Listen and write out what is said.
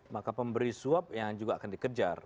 maka pemberi suap yang juga akan dikejar